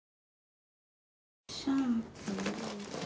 シャンプー。